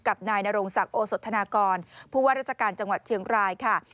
นายนรงศักดิ์โอสธนากรผู้ว่าราชการจังหวัดเชียงรายค่ะ